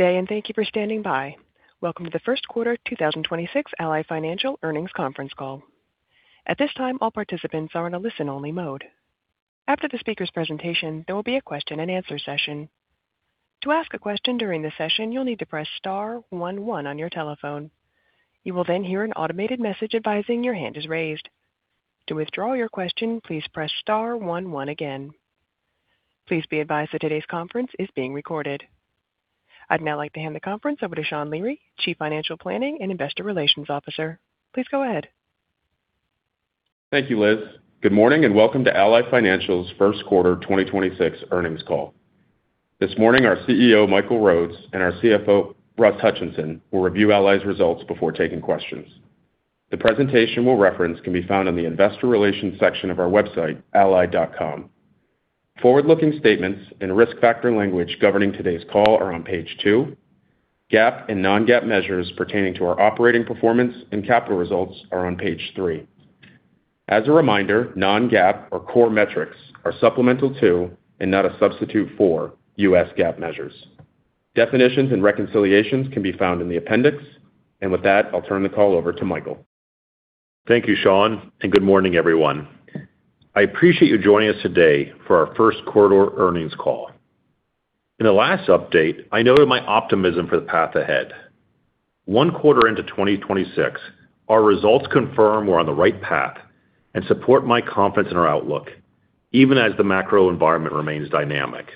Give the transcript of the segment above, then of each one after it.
Good day, and thank you for standing by. Welcome to the first quarter 2026 Ally Financial earnings conference call. At this time, all participants are in a listen-only mode. After the speaker's presentation, there will be a question-and-answer session. To ask a question during the session, you'll need to press star one one on your telephone. You will then hear an automated message advising your hand is raised. To withdraw your question, please press star one one again. Please be advised that today's conference is being recorded. I'd now like to hand the conference over to Sean Leary, Chief Financial Planning and Investor Relations Officer. Please go ahead. Thank you, Liz. Good morning and welcome to Ally Financial's first quarter 2026 earnings call. This morning, our CEO, Michael Rhodes, and our CFO, Russ Hutchinson, will review Ally's results before taking questions. The presentation we'll reference can be found in the Investor Relations section of our website, ally.com. Forward-looking statements and risk factor language governing today's call are on page two. GAAP and non-GAAP measures pertaining to our operating performance and capital results are on page three. As a reminder, non-GAAP or core metrics are supplemental to and not a substitute for U.S. GAAP measures. Definitions and reconciliations can be found in the appendix. With that, I'll turn the call over to Michael. Thank you, Sean, and good morning, everyone. I appreciate you joining us today for our first quarter earnings call. In the last update, I noted my optimism for the path ahead. One quarter into 2026, our results confirm we're on the right path and support my confidence in our outlook, even as the macro environment remains dynamic.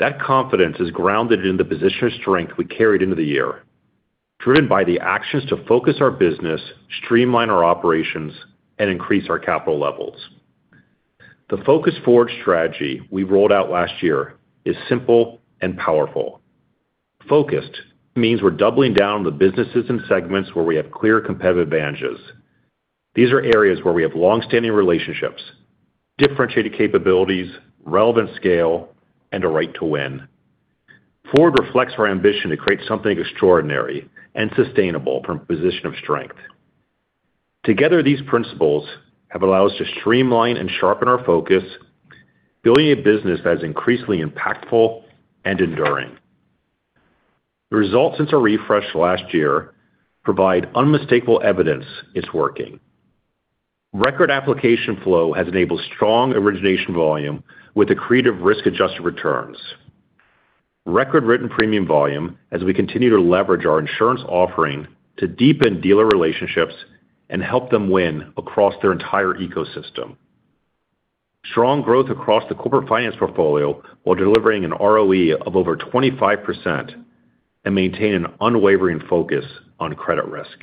That confidence is grounded in the position of strength we carried into the year, driven by the actions to focus our business, streamline our operations, and increase our capital levels. The Focused. Forward strategy we rolled out last year is simple and powerful. Focused means we're doubling down on the businesses and segments where we have clear competitive advantages. These are areas where we have long-standing relationships, differentiated capabilities, relevant scale, and a right to win. Forward reflects our ambition to create something extraordinary and sustainable from a position of strength. Together, these principles have allowed us to streamline and sharpen our focus, building a business that is increasingly impactful and enduring. The results since our refresh last year provide unmistakable evidence it's working. Record application flow has enabled strong origination volume with accretive risk-adjusted returns. Record-written premium volume as we continue to leverage our insurance offering to deepen dealer relationships and help them win across their entire ecosystem. Strong growth across the Corporate Finance portfolio while delivering an ROE of over 25% and maintain an unwavering focus on credit risk.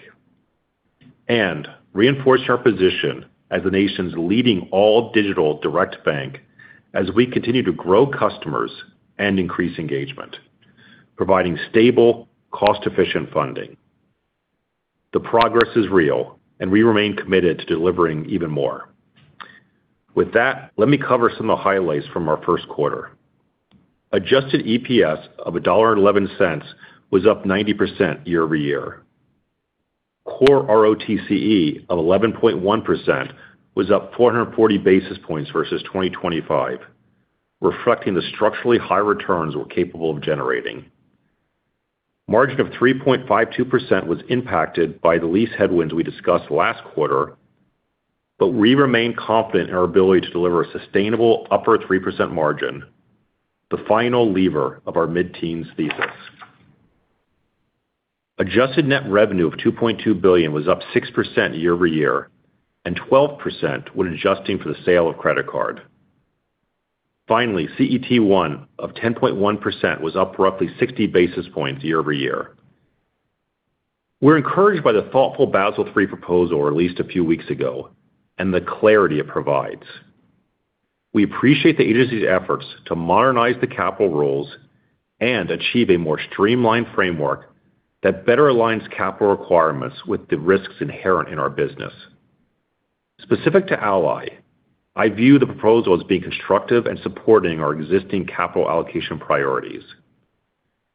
Reinforced our position as the nation's leading all-digital direct bank as we continue to grow customers and increase engagement, providing stable, cost-efficient funding. The progress is real, and we remain committed to delivering even more. With that, let me cover some of the highlights from our first quarter. Adjusted EPS of $1.11 was up 90% year-over-year. Core ROTCE of 11.1% was up 440 basis points versus 2025, reflecting the structurally high returns we're capable of generating. Margin of 3.52% was impacted by the lease headwinds we discussed last quarter, but we remain confident in our ability to deliver a sustainable upper 3% margin, the final lever of our mid-teens thesis. Adjusted net revenue of $2.2 billion was up 6% year-over-year and 12% when adjusting for the sale of Credit Card. Finally, CET1 of 10.1% was up roughly 60 basis points year-over-year. We're encouraged by the thoughtful Basel III proposal released a few weeks ago and the clarity it provides. We appreciate the agency's efforts to modernize the capital rules and achieve a more streamlined framework that better aligns capital requirements with the risks inherent in our business. Specific to Ally, I view the proposal as being constructive and supporting our existing capital allocation priorities.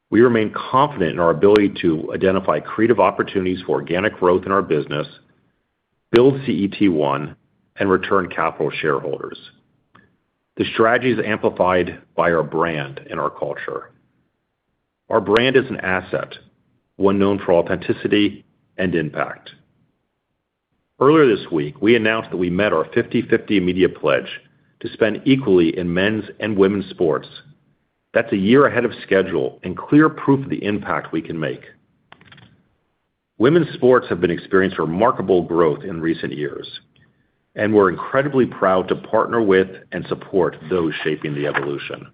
We remain confident in our ability to identify creative opportunities for organic growth in our business, build CET1, and return capital to shareholders. The strategy is amplified by our brand and our culture. Our brand is an asset, one known for authenticity and impact. Earlier this week, we announced that we met our 50/50 media pledge to spend equally in men's and women's sports. That's a year ahead of schedule and clear proof of the impact we can make. Women's sports have been experiencing remarkable growth in recent years, and we're incredibly proud to partner with and support those shaping the evolution.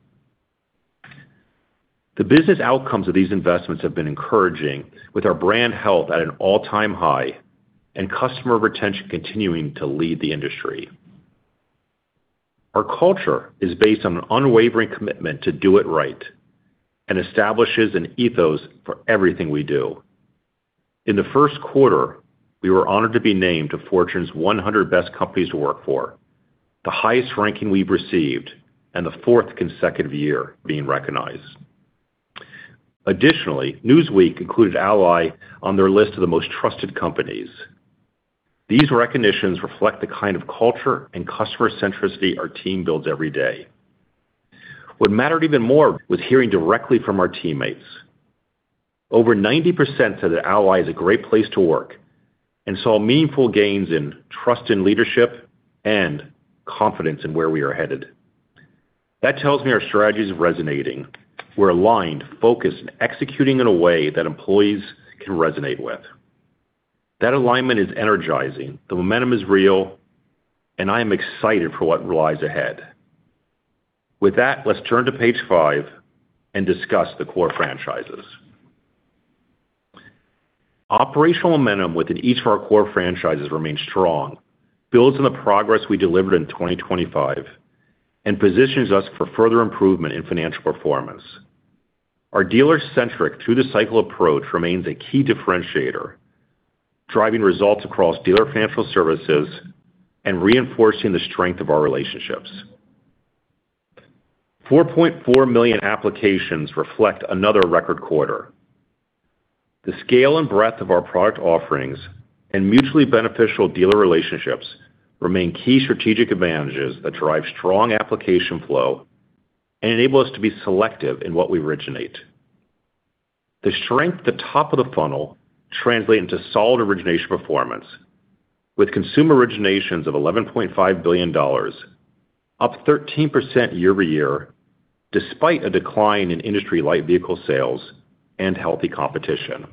The business outcomes of these investments have been encouraging, with our brand health at an all-time high and customer retention continuing to lead the industry. Our culture is based on an unwavering commitment to do it right and establishes an ethos for everything we do. In the first quarter, we were honored to be named to Fortune's 100 Best Companies to Work For, the highest ranking we've received and the fourth consecutive year being recognized. Additionally, Newsweek included Ally on their list of the Most Trusted Companies. These recognitions reflect the kind of culture and customer centricity our team builds every day. What mattered even more was hearing directly from our teammates. Over 90% said that Ally is a great place to work and saw meaningful gains in trust in leadership and confidence in where we are headed. That tells me our strategy is resonating. We're aligned, focused, and executing in a way that employees can resonate with. That alignment is energizing, the momentum is real, and I am excited for what lies ahead. With that, let's turn to page five and discuss the core franchises. Operational momentum within each of our core franchises remains strong, builds on the progress we delivered in 2025, and positions us for further improvement in financial performance. Our dealer-centric through the cycle approach remains a key differentiator, driving results across dealer financial services and reinforcing the strength of our relationships. 4.4 million applications reflect another record quarter. The scale and breadth of our product offerings and mutually beneficial dealer relationships remain key strategic advantages that drive strong application flow and enable us to be selective in what we originate. The strength at the top of the funnel translates into solid origination performance with consumer originations of $11.5 billion, up 13% year-over-year, despite a decline in industry light vehicle sales and healthy competition.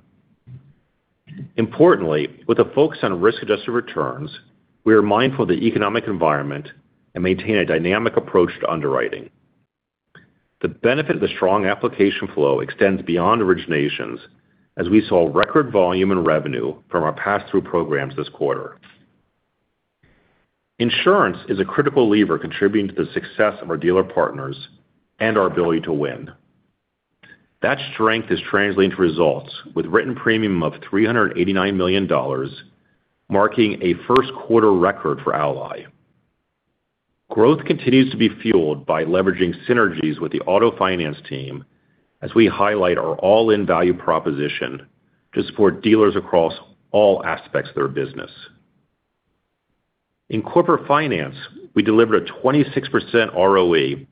Importantly, with a focus on risk-adjusted returns, we are mindful of the economic environment and maintain a dynamic approach to underwriting. The benefit of the strong application flow extends beyond originations as we saw record volume and revenue from our pass-through programs this quarter. Insurance is a critical lever contributing to the success of our dealer partners and our ability to win. That strength is translating to results with written premium of $389 million, marking a first quarter record for Ally. Growth continues to be fueled by leveraging synergies with the Auto Finance team as we highlight our all-in value proposition to support dealers across all aspects of their business. In Corporate Finance, we delivered a 26% ROE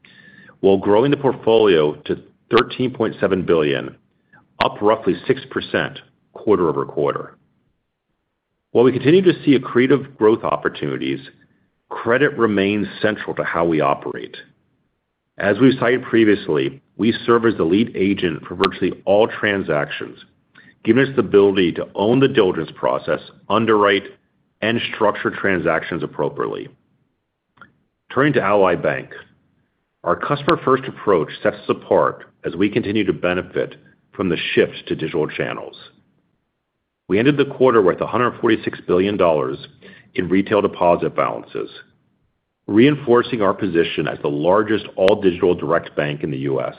while growing the portfolio to $13.7 billion, up roughly 6% quarter-over-quarter. While we continue to see accretive growth opportunities, credit remains central to how we operate. As we've cited previously, we serve as the lead agent for virtually all transactions, giving us the ability to own the diligence process, underwrite, and structure transactions appropriately. Turning to Ally Bank, our customer-first approach sets us apart as we continue to benefit from the shift to digital channels. We ended the quarter with $146 billion in retail deposit balances, reinforcing our position as the largest all-digital direct bank in the U.S.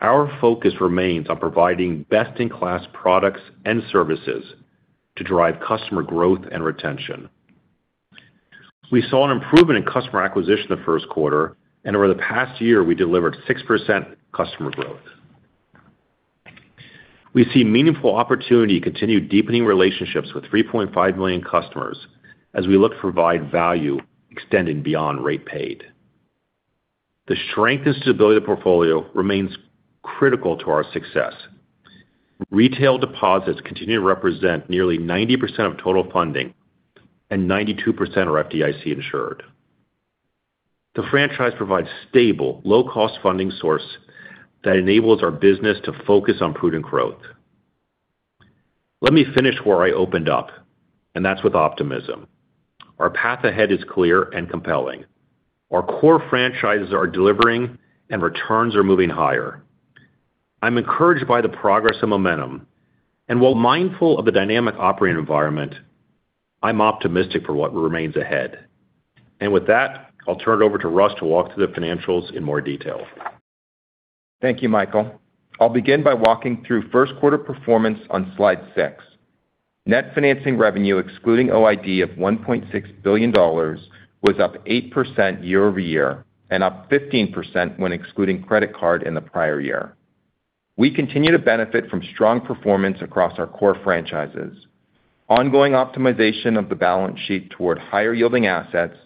Our focus remains on providing best-in-class products and services to drive customer growth and retention. We saw an improvement in customer acquisition the first quarter, and over the past year, we delivered 6% customer growth. We see meaningful opportunity to continue deepening relationships with 3.5 million customers as we look to provide value extending beyond rate paid. The strength and stability of the portfolio remains critical to our success. Retail deposits continue to represent nearly 90% of total funding and 92% are FDIC insured. The franchise provides stable, low-cost funding source that enables our business to focus on prudent growth. Let me finish where I opened up, and that's with optimism. Our path ahead is clear and compelling. Our core franchises are delivering and returns are moving higher. I'm encouraged by the progress and momentum, and while mindful of the dynamic operating environment, I'm optimistic for what remains ahead. With that, I'll turn it over to Russ to walk through the financials in more detail. Thank you, Michael. I'll begin by walking through first quarter performance on slide six. Net financing revenue, excluding OID of $1.6 billion, was up 8% year-over-year and up 15% when excluding Credit Card in the prior year. We continue to benefit from strong performance across our core franchises, ongoing optimization of the balance sheet toward higher yielding assets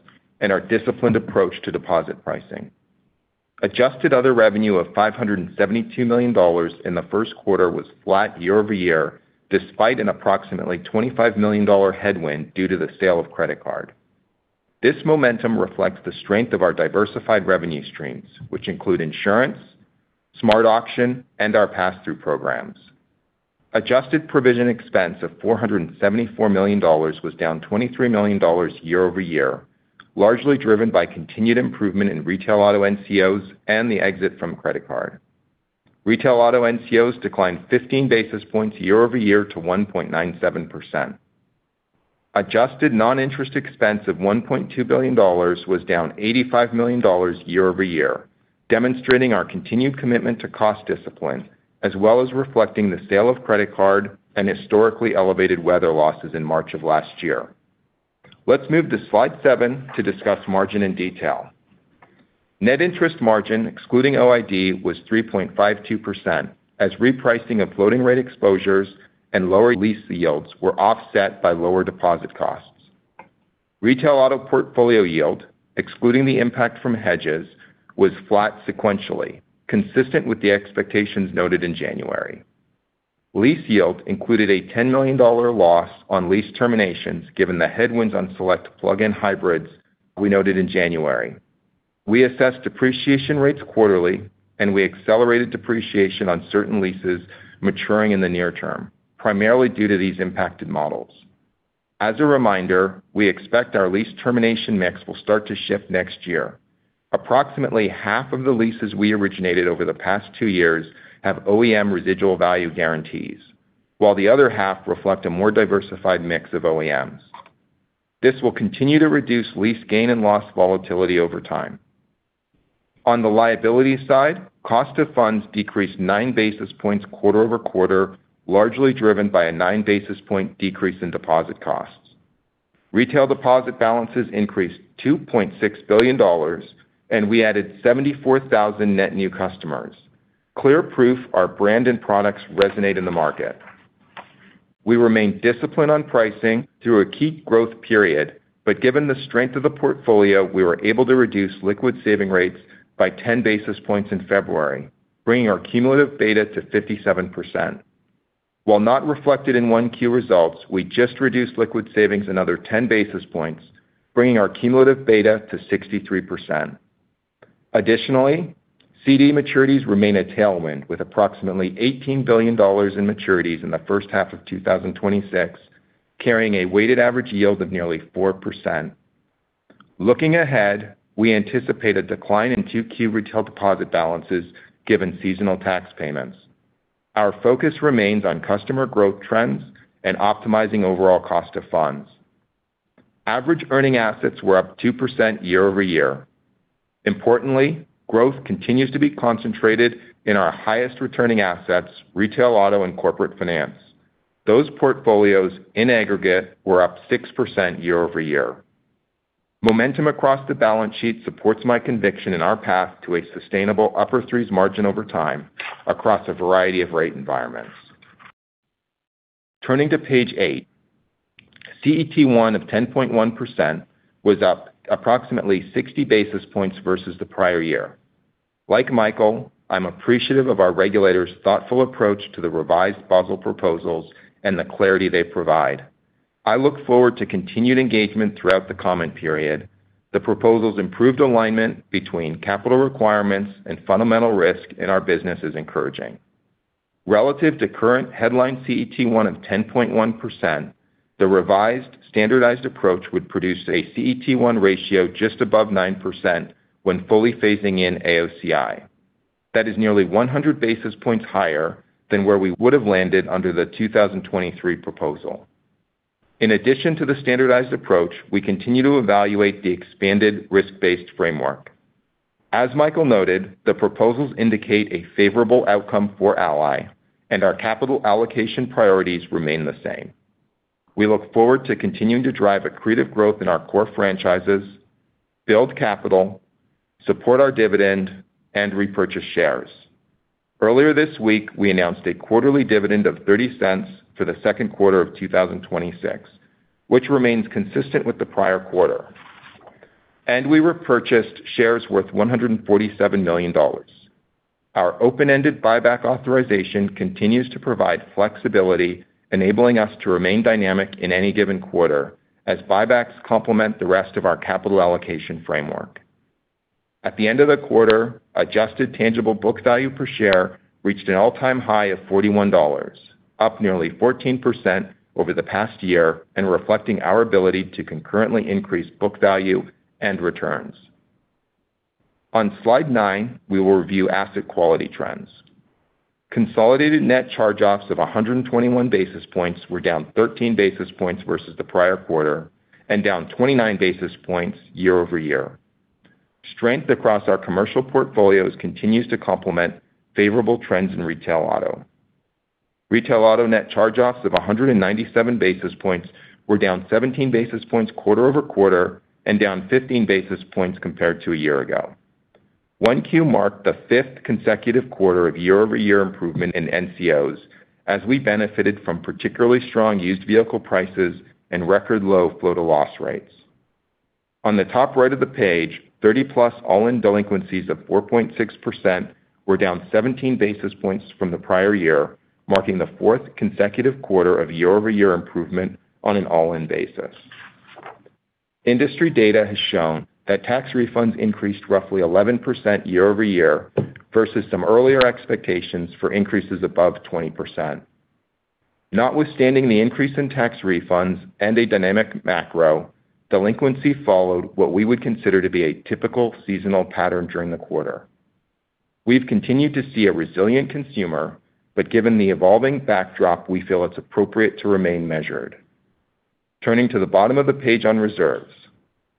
and our disciplined approach to deposit pricing. Adjusted other revenue of $572 million in the first quarter was flat year-over-year, despite an approximately $25 million headwind due to the sale of Credit Card. This momentum reflects the strength of our diversified revenue streams, which include Insurance, SmartAuction, and our pass-through programs. Adjusted provision expense of $474 million was down $23 million year-over-year, largely driven by continued improvement in Retail Auto NCOs and the exit from Credit Card. Retail Auto NCOs declined 15 basis points year-over-year to 1.97%. Adjusted non-interest expense of $1.2 billion was down $85 million year-over-year, demonstrating our continued commitment to cost discipline, as well as reflecting the sale of Credit Card and historically elevated weather losses in March of last year. Let's move to slide seven to discuss margin in detail. Net interest margin, excluding OID, was 3.52% as repricing of floating rate exposures and lower lease yields were offset by lower deposit costs. Retail Auto portfolio yield, excluding the impact from hedges, was flat sequentially, consistent with the expectations noted in January. Lease yield included a $10 million loss on lease terminations, given the headwinds on select plug-in hybrids we noted in January. We assess depreciation rates quarterly, and we accelerated depreciation on certain leases maturing in the near term, primarily due to these impacted models. As a reminder, we expect our lease termination mix will start to shift next year. Approximately half of the leases we originated over the past two years have OEM residual value guarantees, while the other half reflect a more diversified mix of OEMs. This will continue to reduce lease gain and loss volatility over time. On the liability side, cost of funds decreased 9 basis points quarter-over-quarter, largely driven by a 9 basis point decrease in deposit costs. Retail deposit balances increased to $2.6 billion, and we added 74,000 net new customers. Clear proof our brand and products resonate in the market. We remain disciplined on pricing through a key growth period, but given the strength of the portfolio, we were able to reduce liquid savings rates by 10 basis points in February, bringing our cumulative beta to 57%. While not reflected in 1Q results, we just reduced liquid savings another 10 basis points, bringing our cumulative beta to 63%. Additionally, CD maturities remain a tailwind with approximately $18 billion in maturities in the first half of 2026, carrying a weighted average yield of nearly 4%. Looking ahead, we anticipate a decline in 2Q retail deposit balances given seasonal tax payments. Our focus remains on customer growth trends and optimizing overall cost of funds. Average earning assets were up 2% year-over-year. Importantly, growth continues to be concentrated in our highest returning assets, Retail Auto and Corporate Finance. Those portfolios in aggregate were up 6% year-over-year. Momentum across the balance sheet supports my conviction in our path to a sustainable upper 3s% margin over time across a variety of rate environments. Turning to page eight, CET1 of 10.1% was up approximately 60 basis points versus the prior year. Like Michael, I'm appreciative of our regulators' thoughtful approach to the revised Basel proposals and the clarity they provide. I look forward to continued engagement throughout the comment period. The proposals' improved alignment between capital requirements and fundamental risk in our business is encouraging. Relative to current headline CET1 of 10.1%, the revised standardized approach would produce a CET1 ratio just above 9% when fully phasing in AOCI. That is nearly 100 basis points higher than where we would have landed under the 2023 proposal. In addition to the standardized approach, we continue to evaluate the expanded risk-based framework. As Michael noted, the proposals indicate a favorable outcome for Ally, and our capital allocation priorities remain the same. We look forward to continuing to drive accretive growth in our core franchises, build capital, support our dividend, and repurchase shares. Earlier this week, we announced a quarterly dividend of $0.30 for the second quarter of 2026, which remains consistent with the prior quarter. We repurchased shares worth $147 million. Our open-ended buyback authorization continues to provide flexibility, enabling us to remain dynamic in any given quarter as buybacks complement the rest of our capital allocation framework. At the end of the quarter, adjusted tangible book value per share reached an all-time high of $41, up nearly 14% over the past year and reflecting our ability to concurrently increase book value and returns. On slide nine, we will review asset quality trends. Consolidated net charge-offs of 121 basis points were down 13 basis points versus the prior quarter and down 29 basis points year-over-year. Strength across our commercial portfolios continues to complement favorable trends in Retail Auto. Retail Auto net charge-offs of 197 basis points were down 17 basis points quarter-over-quarter and down 15 basis points compared to a year ago. 1Q marked the fifth consecutive quarter of year-over-year improvement in NCOs as we benefited from particularly strong used vehicle prices and record low flow to loss rates. On the top right of the page, 30+ all-in delinquencies of 4.6% were down 17 basis points from the prior year, marking the fourth consecutive quarter of year-over-year improvement on an all-in basis. Industry data has shown that tax refunds increased roughly 11% year-over-year versus some earlier expectations for increases above 20%. Notwithstanding the increase in tax refunds and a dynamic macro, delinquency followed what we would consider to be a typical seasonal pattern during the quarter. We've continued to see a resilient consumer, but given the evolving backdrop, we feel it's appropriate to remain measured. Turning to the bottom of the page on reserves.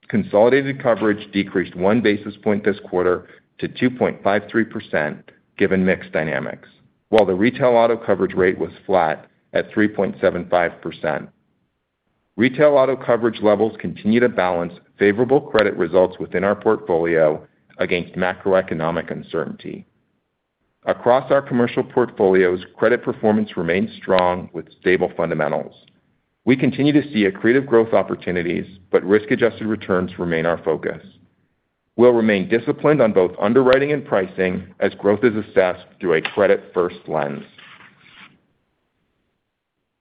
Consolidated coverage decreased 1 basis point this quarter to 2.53% given mix dynamics, while the Retail Auto coverage rate was flat at 3.75%. Retail Auto coverage levels continue to balance favorable credit results within our portfolio against macroeconomic uncertainty. Across our commercial portfolios, credit performance remains strong with stable fundamentals. We continue to see accretive growth opportunities, but risk-adjusted returns remain our focus. We'll remain disciplined on both underwriting and pricing as growth is assessed through a credit-first lens.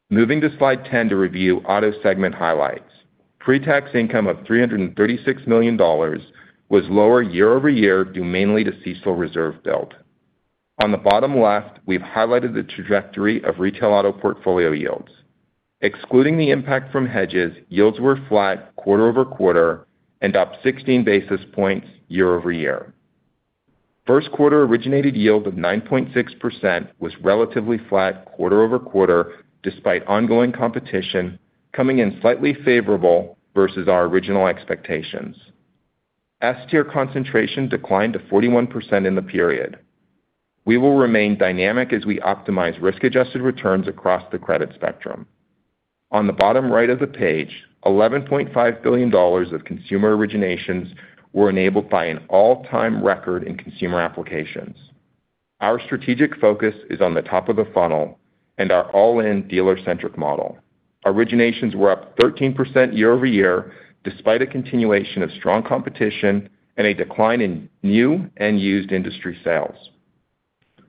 Moving to slide 10 to review Auto segment highlights. Pre-tax income of $336 million was lower year-over-year due mainly to CECL reserve build. On the bottom left, we've highlighted the trajectory of Retail Auto portfolio yields. Excluding the impact from hedges, yields were flat quarter-over-quarter and up 16 basis points year-over-year. First quarter originated yield of 9.6% was relatively flat quarter-over-quarter, despite ongoing competition, coming in slightly favorable versus our original expectations. S-tier concentration declined to 41% in the period. We will remain dynamic as we optimize risk-adjusted returns across the credit spectrum. On the bottom right of the page, $11.5 billion of consumer originations were enabled by an all-time record in consumer applications. Our strategic focus is on the top of the funnel and our all-in dealer-centric model. Originations were up 13% year-over-year, despite a continuation of strong competition and a decline in new and used industry sales.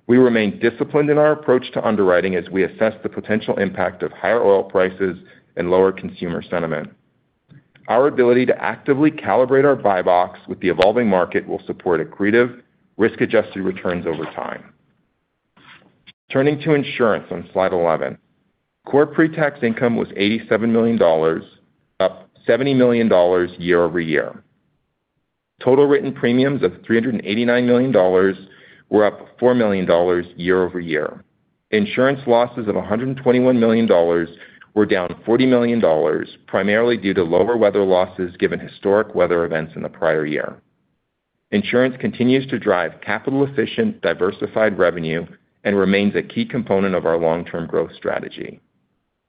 We remain disciplined in our approach to underwriting as we assess the potential impact of higher oil prices and lower consumer sentiment. Our ability to actively calibrate our buy box with the evolving market will support accretive risk-adjusted returns over time. Turning to Insurance on slide 11. Core pre-tax income was $87 million, up $70 million year-over-year. Total written premiums of $389 million were up $4 million year-over-year. Insurance losses of $121 million were down $40 million, primarily due to lower weather losses given historic weather events in the prior year. Insurance continues to drive capital-efficient, diversified revenue and remains a key component of our long-term growth strategy.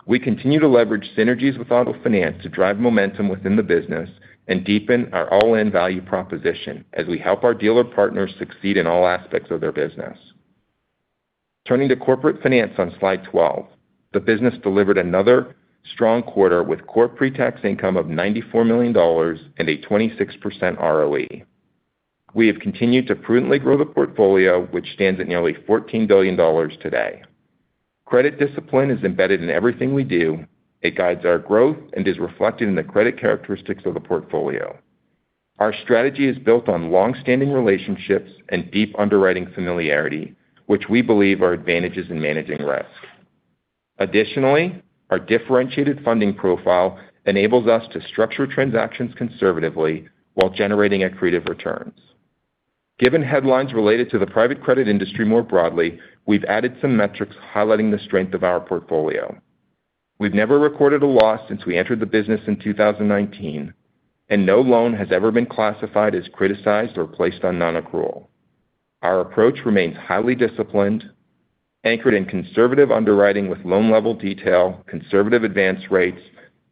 We continue to leverage synergies with Auto Finance to drive momentum within the business and deepen our all-in value proposition as we help our dealer partners succeed in all aspects of their business. Turning to Corporate Finance on slide 12. The business delivered another strong quarter with core pre-tax income of $94 million and a 26% ROE. We have continued to prudently grow the portfolio, which stands at nearly $14 billion today. Credit discipline is embedded in everything we do. It guides our growth and is reflected in the credit characteristics of the portfolio. Our strategy is built on long-standing relationships and deep underwriting familiarity, which we believe are advantages in managing risk. Additionally, our differentiated funding profile enables us to structure transactions conservatively while generating accretive returns. Given headlines related to the private credit industry more broadly, we've added some metrics highlighting the strength of our portfolio. We've never recorded a loss since we entered the business in 2019, and no loan has ever been classified as criticized or placed on non-accrual. Our approach remains highly disciplined, anchored in conservative underwriting with loan-level detail, conservative advance rates,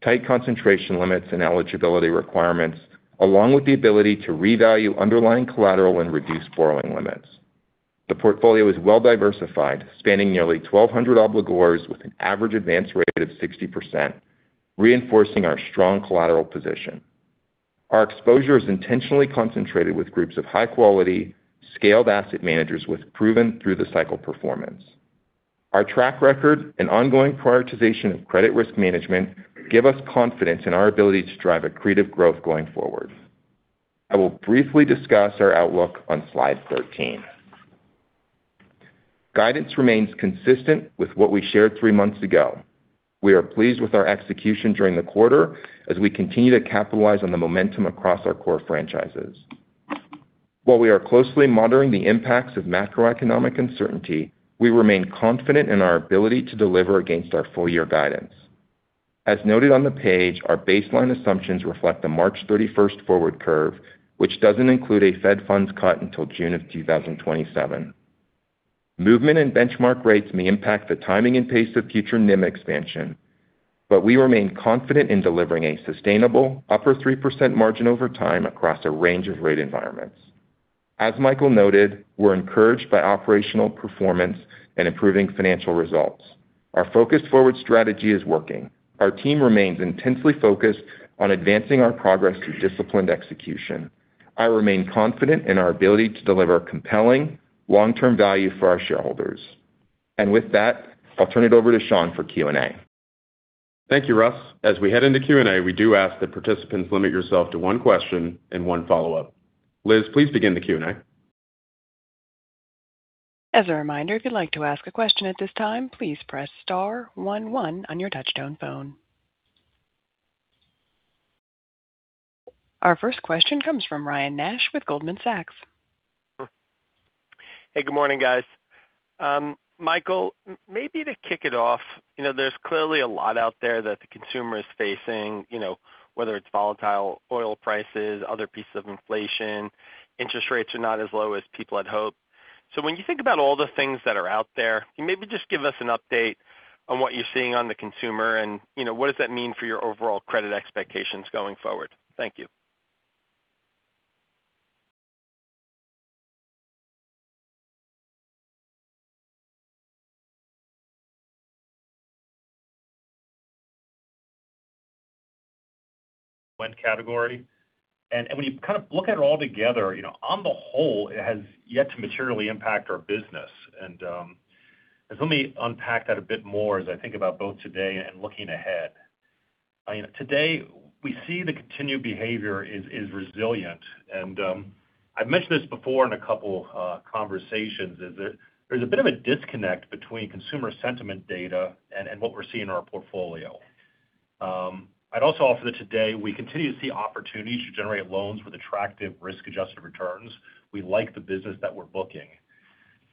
tight concentration limits, and eligibility requirements, along with the ability to revalue underlying collateral and reduce borrowing limits. The portfolio is well-diversified, spanning nearly 1,200 obligors with an average advance rate of 60%, reinforcing our strong collateral position. Our exposure is intentionally concentrated with groups of high-quality, scaled asset managers with proven through-the-cycle performance. Our track record and ongoing prioritization of credit risk management give us confidence in our ability to drive accretive growth going forward. I will briefly discuss our outlook on slide 13. Guidance remains consistent with what we shared three months ago. We are pleased with our execution during the quarter as we continue to capitalize on the momentum across our core franchises. While we are closely monitoring the impacts of macroeconomic uncertainty, we remain confident in our ability to deliver against our full-year guidance. As noted on the page, our baseline assumptions reflect the March 31st forward curve, which doesn't include a Fed funds cut until June of 2027. Movement in benchmark rates may impact the timing and pace of future NIM expansion, but we remain confident in delivering a sustainable upper 3% margin over time across a range of rate environments. As Michael noted, we're encouraged by operational performance and improving financial results. Our Focused. Forward strategy is working. Our team remains intensely focused on advancing our progress through disciplined execution. I remain confident in our ability to deliver compelling long-term value for our shareholders. With that, I'll turn it over to Sean for Q&A. Thank you, Russ. As we head into Q&A, we do ask that participants limit yourself to one question and one follow-up. Liz, please begin the Q&A. Our first question comes from Ryan Nash with Goldman Sachs. Hey, good morning, guys. Michael, maybe to kick it off, there's clearly a lot out there that the consumer is facing, whether it's volatile oil prices, other pieces of inflation, interest rates are not as low as people had hoped. When you think about all the things that are out there, can maybe just give us an update on what you're seeing on the consumer and what does that mean for your overall credit expectations going forward? Thank you. One category. When you look at it all together, on the whole, it has yet to materially impact our business. Let me unpack that a bit more as I think about both today and looking ahead. Today, we see the continued behavior is resilient. I've mentioned this before in a couple conversations, is that there's a bit of a disconnect between consumer sentiment data and what we're seeing in our portfolio. I'd also offer that today we continue to see opportunities to generate loans with attractive risk-adjusted returns. We like the business that we're booking.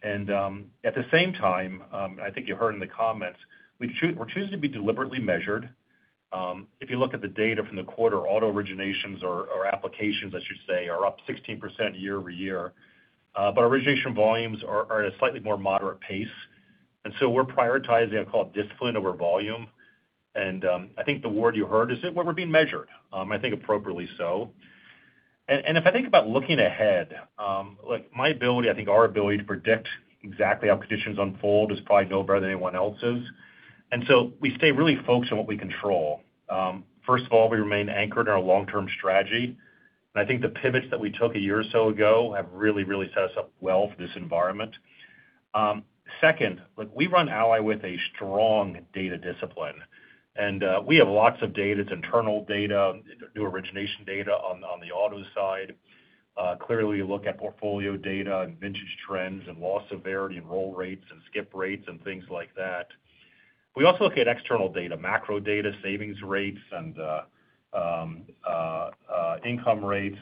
At the same time, I think you heard in the comments, we're choosing to be deliberately measured. If you look at the data from the quarter, auto originations or applications, I should say, are up 16% year-over-year. Our origination volumes are at a slightly more moderate pace. We're prioritizing, I call it discipline over volume. I think the word you heard is that we're being measured, I think appropriately so. If I think about looking ahead, my ability, I think our ability to predict exactly how conditions unfold is probably no better than anyone else's. We stay really focused on what we control. First of all, we remain anchored in our long-term strategy. I think the pivots that we took a year or so ago have really set us up well for this environment. Second, we run Ally with a strong data discipline, and we have lots of data. It's internal data, new origination data on the Autos side. Clearly, you look at portfolio data and vintage trends and loss severity and roll rates and skip rates and things like that. We also look at external data, macro data, savings rates, and income rates,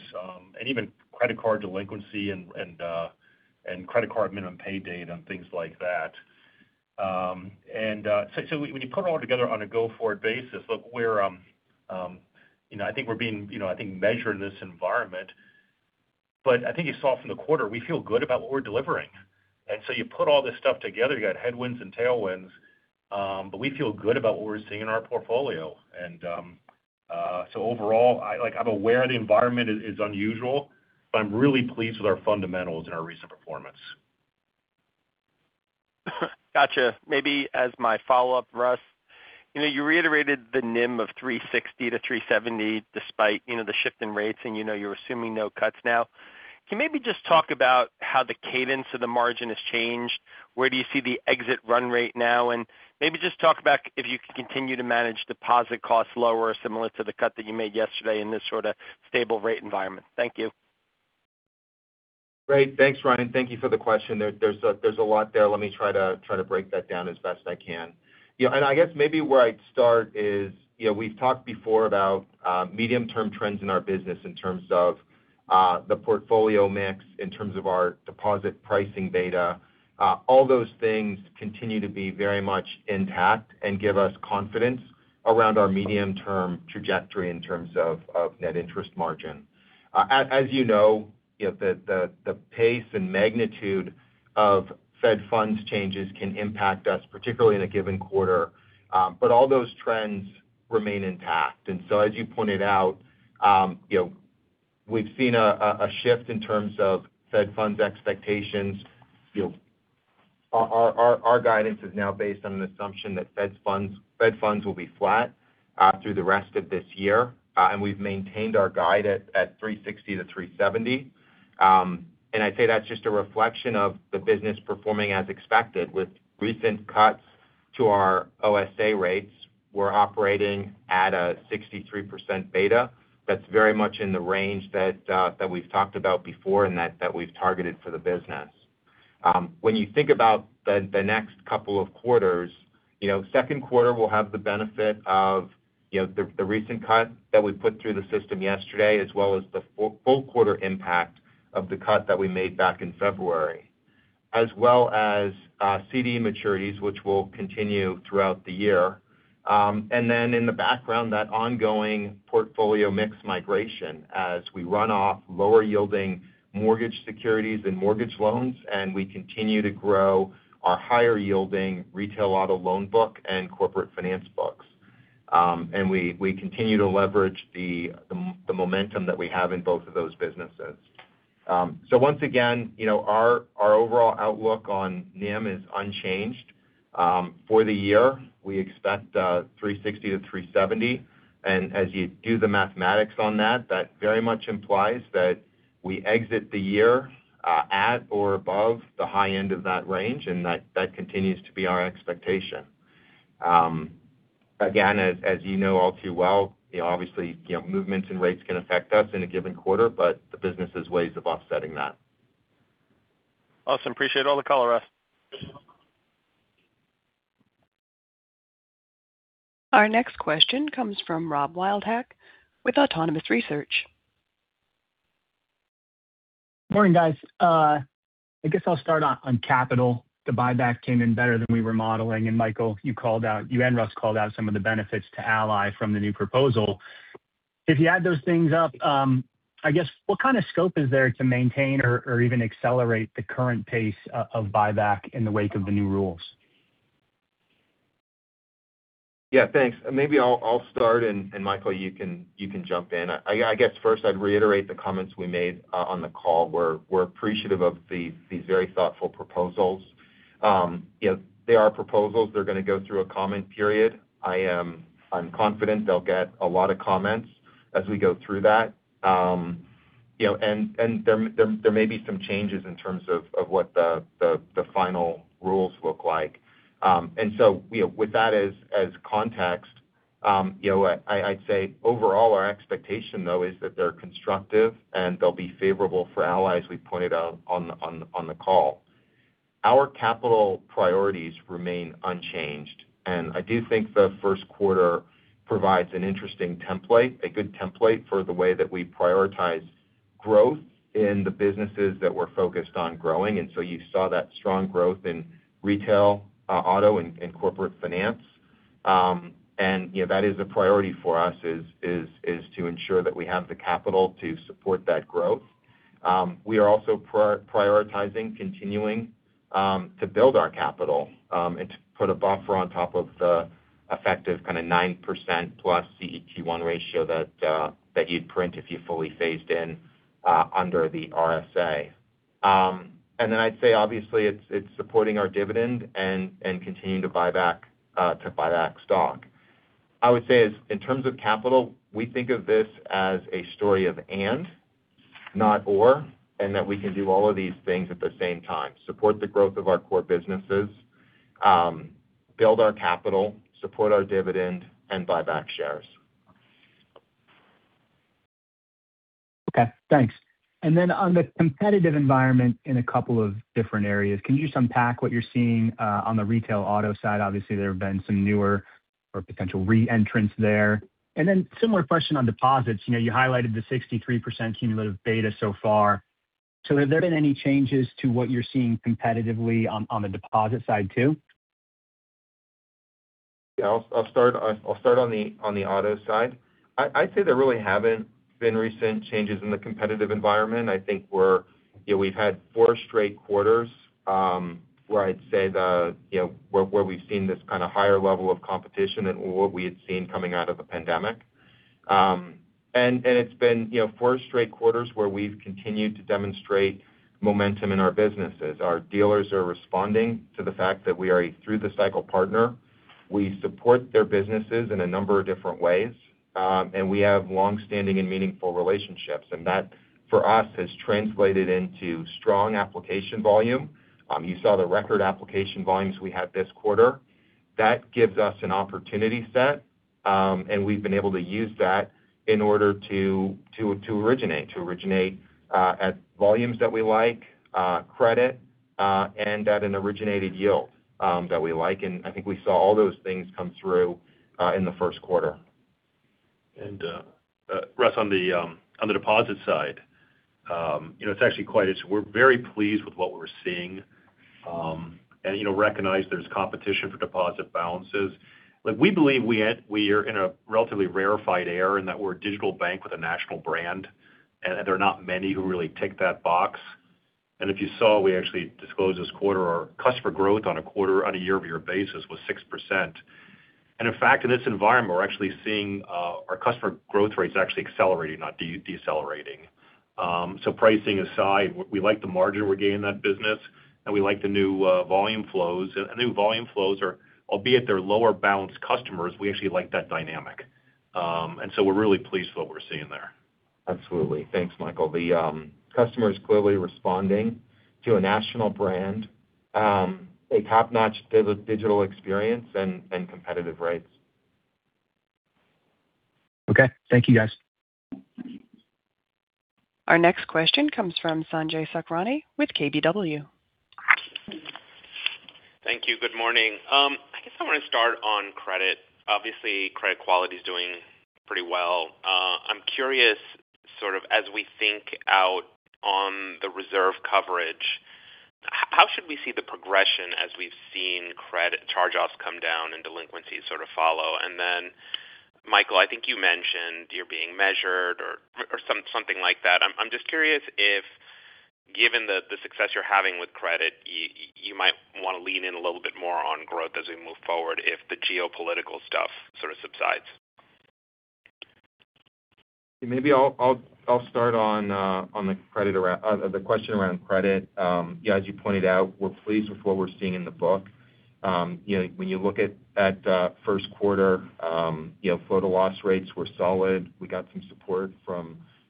and credit card delinquency and credit card minimum pay date and things like that. When you put it all together on a go-forward basis, I think we're being measured in this environment. I think you saw from the quarter, we feel good about what we're delivering. You put all this stuff together, you got headwinds and tailwinds, but we feel good about what we're seeing in our portfolio. Overall, I'm aware the environment is unusual, but I'm really pleased with our fundamentals and our recent performance. Got you. Maybe as my follow-up, Russ, you reiterated the NIM of 3.60%-3.70% despite the shift in rates, and you're assuming no cuts now. Can you maybe just talk about how the cadence of the margin has changed? Where do you see the exit run rate now? Maybe just talk about if you can continue to manage deposit costs lower similar to the cut that you made yesterday in this sort of stable rate environment. Thank you. Great. Thanks, Ryan. Thank you for the question. There's a lot there. Let me try to break that down as best I can. I guess maybe where I'd start is, we've talked before about medium-term trends in our business in terms of the portfolio mix, in terms of our deposit pricing beta. All those things continue to be very much intact and give us confidence around our medium-term trajectory in terms of net interest margin. As you know, the pace and magnitude of Fed funds changes can impact us, particularly in a given quarter. All those trends remain intact. As you pointed out, we've seen a shift in terms of Fed funds expectations. Our guidance is now based on an assumption that Fed funds will be flat through the rest of this year, and we've maintained our guide at 3.60%-3.70%. I'd say that's just a reflection of the business performing as expected with recent cuts to our OSA rates. We're operating at a 63% beta. That's very much in the range that we've talked about before and that we've targeted for the business. When you think about the next couple of quarters, second quarter will have the benefit of the recent cut that we put through the system yesterday as well as the full-quarter impact of the cut that we made back in February, as well as CD maturities, which will continue throughout the year. In the background, that ongoing portfolio mix migration as we run off lower-yielding mortgage securities and mortgage loans, and we continue to grow our higher-yielding Retail Auto loan book and Corporate Finance books. We continue to leverage the momentum that we have in both of those businesses. Once again, our overall outlook on NIM is unchanged. For the year, we expect 3.60%-3.70%, and as you do the mathematics on that very much implies that we exit the year at or above the high end of that range, and that continues to be our expectation. Again, as you know all too well, obviously, movements in rates can affect us in a given quarter, but the business has ways of offsetting that. Awesome. Appreciate all the color, Russ. Our next question comes from Rob Wildhack with Autonomous Research. Morning, guys. I guess I'll start on capital. The buyback came in better than we were modeling. Michael, you and Russ called out some of the benefits to Ally from the new proposal. If you add those things up, I guess, what kind of scope is there to maintain or even accelerate the current pace of buyback in the wake of the new rules? Yeah, thanks. Maybe I'll start, and Michael, you can jump in. I guess first I'd reiterate the comments we made on the call. We're appreciative of these very thoughtful proposals. They are proposals. They're going to go through a comment period. I'm confident they'll get a lot of comments as we go through that. There may be some changes in terms of what the final rules look like. With that as context, I'd say overall, our expectation, though, is that they're constructive and they'll be favorable for Ally, as we pointed out on the call. Our capital priorities remain unchanged. I do think the first quarter provides an interesting template, a good template for the way that we prioritize growth in the businesses that we're focused on growing. You saw that strong growth in Retail Auto, and Corporate Finance. That is a priority for us is to ensure that we have the capital to support that growth. We are also prioritizing continuing to build our capital and to put a buffer on top of the effective kind of 9%+ CET1 ratio that you'd print if you fully phased in under the RSA. Then I'd say, obviously, it's supporting our dividend and continuing to buy back stock. I would say is, in terms of capital, we think of this as a story of and, not or, and that we can do all of these things at the same time, support the growth of our core businesses, build our capital, support our dividend, and buy back shares. Okay, thanks. On the competitive environment in a couple of different areas, can you just unpack what you're seeing on the Retail Auto side? Obviously, there have been some newer or potential reentrance there. Similar question on deposits. You highlighted the 63% cumulative beta so far. Have there been any changes to what you're seeing competitively on the deposit side, too? Yeah, I'll start on the Auto side. I'd say there really haven't been recent changes in the competitive environment. I think we've had four straight quarters, where I'd say we've seen this kind of higher level of competition than what we had seen coming out of the pandemic. It's been four straight quarters where we've continued to demonstrate momentum in our businesses. Our dealers are responding to the fact that we are a through-the-cycle partner. We support their businesses in a number of different ways. We have long-standing and meaningful relationships. That, for us, has translated into strong application volume. You saw the record application volumes we had this quarter. That gives us an opportunity set, and we've been able to use that in order to originate. To originate at volumes that we like, credit, and at an originated yield that we like. I think we saw all those things come through in the first quarter. Russ, on the deposit side, we're very pleased with what we're seeing. Recognize there's competition for deposit balances. Look, we believe we are in a relatively rarefied air in that we're a digital bank with a national brand, and there are not many who really tick that box. If you saw, we actually disclosed this quarter, our customer growth on a year-over-year basis was 6%. In fact, in this environment, we're actually seeing our customer growth rates actually accelerating, not decelerating. Pricing aside, we like the margin we're getting in that business, and we like the new volume flows. New volume flows are, albeit they're lower balance customers, we actually like that dynamic. We're really pleased with what we're seeing there. Absolutely. Thanks, Michael. The customer is clearly responding to a national brand, a top-notch digital experience, and competitive rates. Okay. Thank you, guys. Our next question comes from Sanjay Sakhrani with KBW. Thank you. Good morning. I guess I want to start on credit. Obviously, credit quality is doing pretty well. I'm curious, sort of as we think out on the reserve coverage, how should we see the progression as we've seen credit charge-offs come down and delinquencies sort of follow? Then Michael, I think you mentioned you're being measured or something like that. I'm just curious if, given the success you're having with credit, you might want to lean in a little bit more on growth as we move forward if the geopolitical stuff sort of subsides. Maybe I'll start on the question around credit. Yeah, as you pointed out, we're pleased with what we're seeing in the book. When you look at first quarter, flow-to-loss rates were solid. We got some support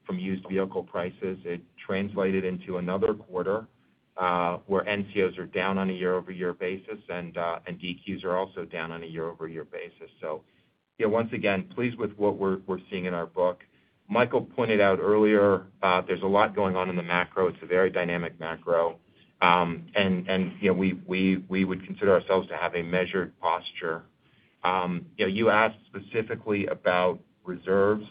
from used vehicle prices. It translated into another quarter where NCOs are down on a year-over-year basis and DQs are also down on a year-over-year basis. Yeah, once again, pleased with what we're seeing in our book. Michael pointed out earlier there's a lot going on in the macro. It's a very dynamic macro. We would consider ourselves to have a measured posture. You asked specifically about reserves.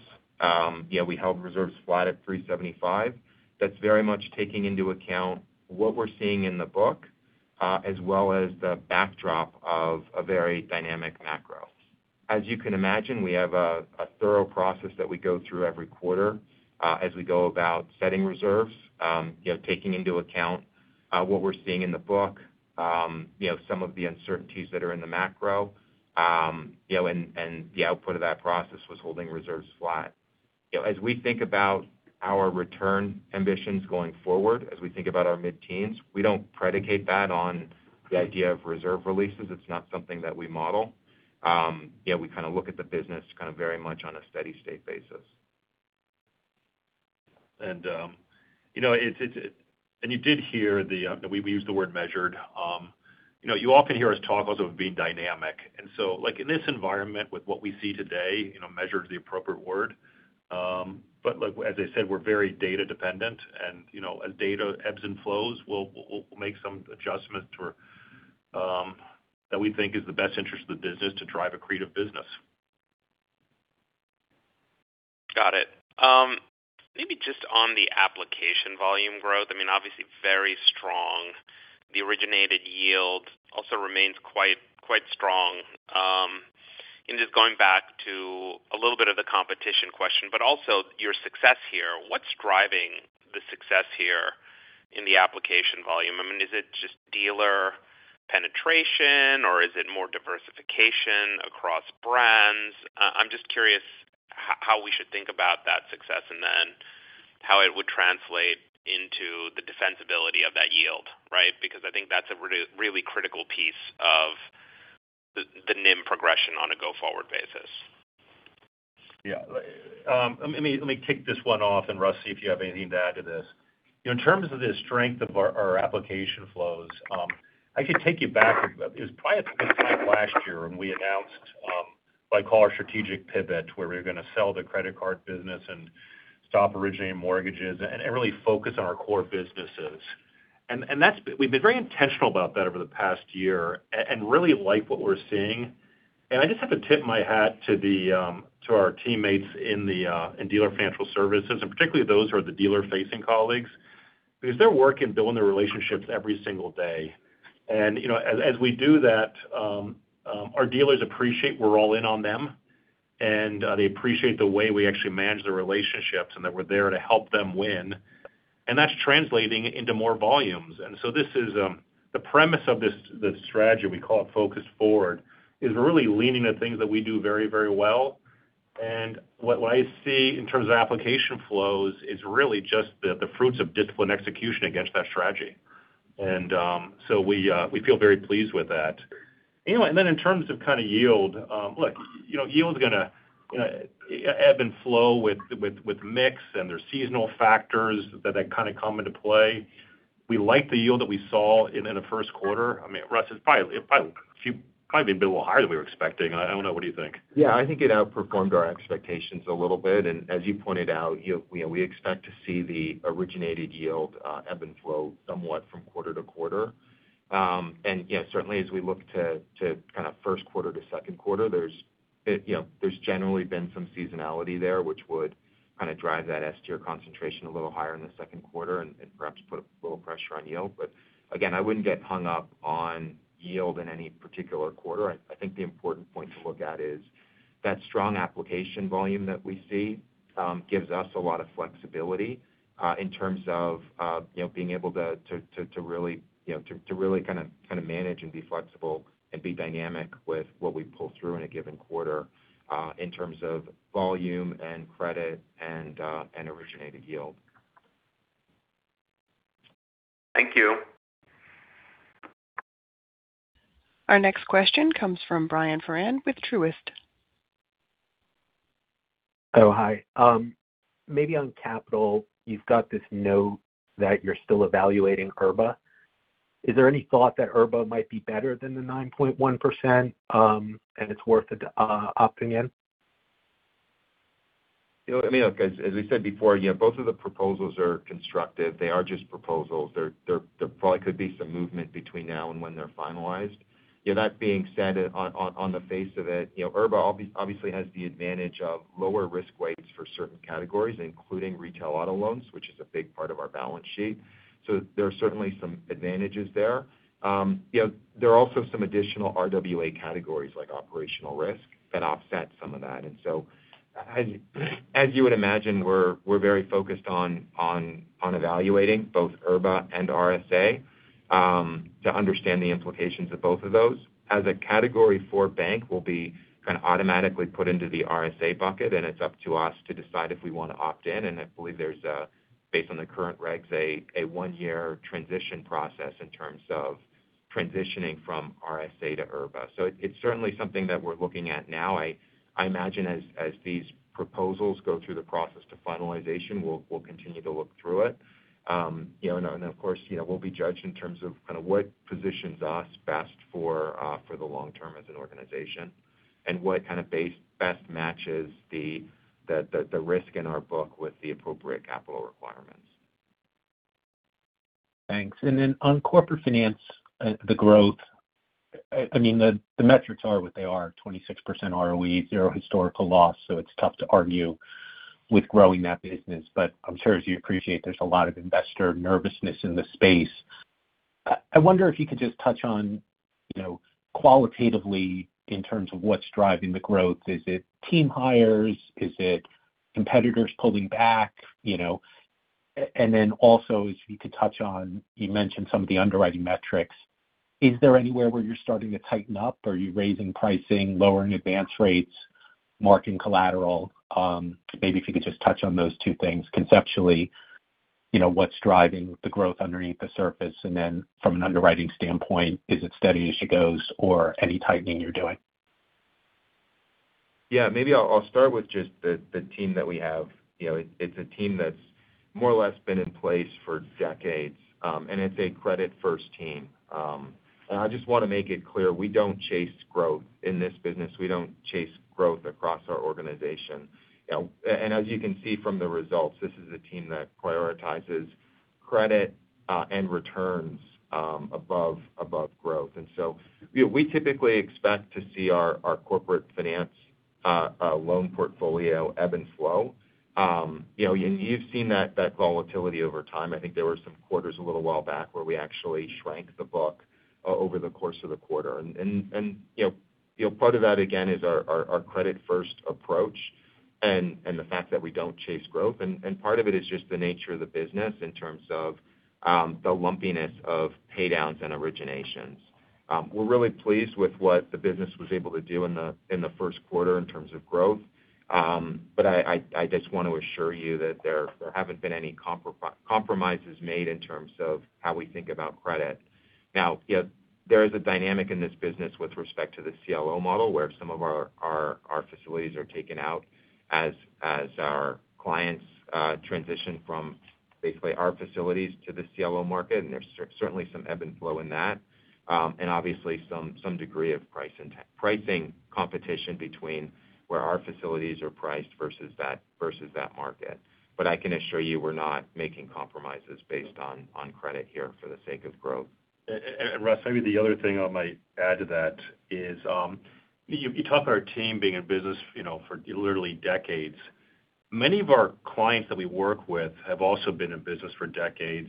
We held reserves flat at 3.75%. That's very much taking into account what we're seeing in the book. As well as the backdrop of a very dynamic macro. As you can imagine, we have a thorough process that we go through every quarter as we go about setting reserves, taking into account what we're seeing in the book, some of the uncertainties that are in the macro, and the output of that process was holding reserves flat. As we think about our return ambitions going forward, as we think about our mid-teens, we don't predicate that on the idea of reserve releases. It's not something that we model. We look at the business very much on a steady-state basis. You did hear we used the word measured. You often hear us talk also of being dynamic. Like in this environment with what we see today, measured is the appropriate word. As I said, we're very data dependent and as data ebbs and flows, we'll make some adjustments that we think is the best interest of the business to drive accretive business. Got it. Maybe just on the application volume growth, I mean, obviously very strong. The originated yield also remains quite strong. Just going back to a little bit of the competition question, but also your success here. What's driving the success here in the application volume? I mean, is it just dealer penetration or is it more diversification across brands? I'm just curious how we should think about that success and then how it would translate into the defensibility of that yield, right? Because I think that's a really critical piece of the NIM progression on a go-forward basis. Yeah. Let me kick this one off, and Russ, see if you have anything to add to this. In terms of the strength of our application flows, I could take you back. It was probably at the time last year when we announced what I call our strategic pivot, where we were going to sell the Credit Card business and stop originating mortgages and really focus on our core businesses. We've been very intentional about that over the past year and really like what we're seeing. I just have to tip my hat to our teammates in dealer financial services, and particularly those who are the dealer-facing colleagues, because they're working, building the relationships every single day. As we do that, our dealers appreciate we're all in on them, and they appreciate the way we actually manage the relationships and that we're there to help them win. That's translating into more volumes. The premise of this strategy, we call it Focused. Forward, is really leaning into things that we do very well. What I see in terms of application flows is really just the fruits of disciplined execution against that strategy. We feel very pleased with that. Anyway, and then in terms of yield, look, yield's going to ebb and flow with mix and there's seasonal factors that then kind of come into play. We like the yield that we saw in the first quarter. I mean, Russ, it probably might have been a little bit higher than we were expecting. I don't know, what do you think? Yeah, I think it outperformed our expectations a little bit. As you pointed out, we expect to see the originated yield ebb and flow somewhat from quarter-to-quarter. Certainly as we look to first quarter to second quarter, there's generally been some seasonality there, which would drive that STR concentration a little higher in the second quarter and perhaps put a little pressure on yield. Again, I wouldn't get hung up on yield in any particular quarter. I think the important point to look at is that strong application volume that we see gives us a lot of flexibility in terms of being able to really manage and be flexible and be dynamic with what we pull through in a given quarter in terms of volume and credit and originated yield. Thank you. Our next question comes from Brian Foran with Truist. Oh, hi. Maybe on capital, you've got this note that you're still evaluating IRBA. Is there any thought that IRBA might be better than the 9.1% and it's worth opting in? I mean, look, as we said before, both of the proposals are constructive. They are just proposals. There probably could be some movement between now and when they're finalized. That being said, on the face of it, IRBA obviously has the advantage of lower risk weights for certain categories, including Retail Auto loans, which is a big part of our balance sheet. So there are certainly some advantages there. There are also some additional RWA categories like operational risk that offset some of that. As you would imagine, we're very focused on evaluating both IRBA and RSA to understand the implications of both of those. As a Category IV bank, we'll be kind of automatically put into the RSA bucket, and it's up to us to decide if we want to opt in. I believe there's, based on the current regs, a one-year transition process in terms of transitioning from RSA to IRBA. It's certainly something that we're looking at now. I imagine as these proposals go through the process to finalization, we'll continue to look through it. Of course, we'll be judged in terms of what positions us best for the long term as an organization and what kind of best matches the risk in our book with the appropriate capital requirements. Thanks. On Corporate Finance, the growth I mean, the metrics are what they are, 26% ROE, zero historical loss. It's tough to argue with growing that business. I'm sure as you appreciate, there's a lot of investor nervousness in the space. I wonder if you could just touch on qualitatively in terms of what's driving the growth. Is it team hires? Is it competitors pulling back? Then also if you could touch on, you mentioned some of the underwriting metrics. Is there anywhere where you're starting to tighten up? Are you raising pricing, lowering advance rates, marking collateral? Maybe if you could just touch on those two things conceptually, what's driving the growth underneath the surface, and then from an underwriting standpoint, is it steady as she goes or any tightening you're doing? Yeah. Maybe I'll start with just the team that we have. It's a team that's more or less been in place for decades, and it's a credit-first team. I just want to make it clear, we don't chase growth in this business. We don't chase growth across our organization. As you can see from the results, this is a team that prioritizes credit and returns above growth. We typically expect to see our Corporate Finance loan portfolio ebb and flow. You've seen that volatility over time. I think there were some quarters a little while back where we actually shrank the book over the course of the quarter. Part of that, again, is our credit-first approach and the fact that we don't chase growth. Part of it is just the nature of the business in terms of the lumpiness of pay-downs and originations. We're really pleased with what the business was able to do in the first quarter in terms of growth. I just want to assure you that there haven't been any compromises made in terms of how we think about credit. Now, there is a dynamic in this business with respect to the CLO model, where some of our facilities are taken out as our clients transition from basically our facilities to the CLO market, and there's certainly some ebb and flow in that. Obviously some degree of pricing competition between where our facilities are priced versus that market. I can assure you we're not making compromises based on credit here for the sake of growth. Russ, maybe the other thing I might add to that is, you talk about our team being in business for literally decades. Many of our clients that we work with have also been in business for decades.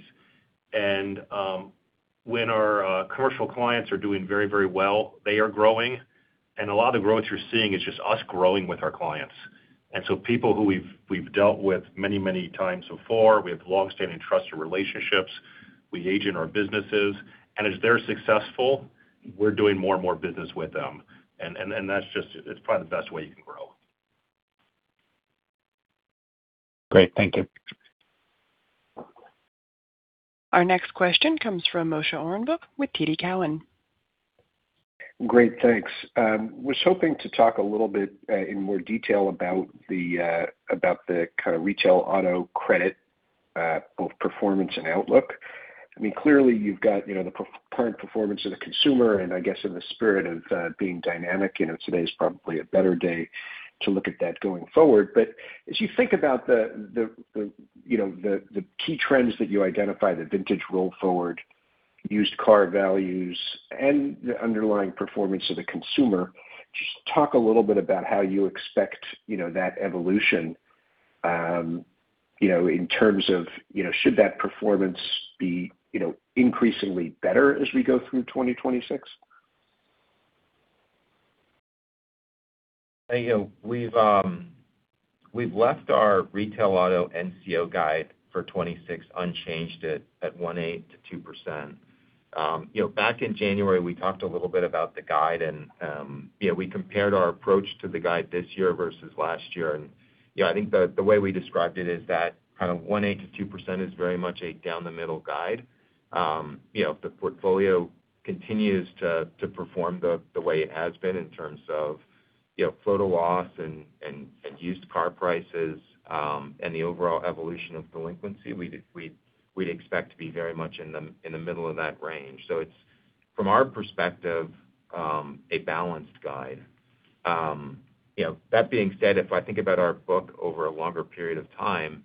When our commercial clients are doing very well, they are growing, and a lot of growth you're seeing is just us growing with our clients. So people who we've dealt with many times before, we have long-standing trusted relationships. We age in our businesses. As they're successful, we're doing more and more business with them. That's just, it's probably the best way you can grow. Great. Thank you. Our next question comes from Moshe Orenbuch with TD Cowen. Great. Thanks. Was hoping to talk a little bit in more detail about the kind of Retail Auto credit, both performance and outlook. I mean, clearly you've got the current performance of the consumer, and I guess in the spirit of being dynamic, today's probably a better day to look at that going forward. As you think about the key trends that you identify, the vintage roll forward, used car values, and the underlying performance of the consumer, just talk a little bit about how you expect that evolution in terms of should that performance be increasingly better as we go through 2026? We've left our Retail Auto NCO guide for 2026 unchanged at 1.8%-2%. Back in January, we talked a little bit about the guide and we compared our approach to the guide this year versus last year. I think the way we described it is that kind of 1.8%-2% is very much a down the middle guide. If the portfolio continues to perform the way it has been in terms of flow to loss and used car prices, and the overall evolution of delinquency, we'd expect to be very much in the middle of that range. It's, from our perspective, a balanced guide. That being said, if I think about our book over a longer period of time,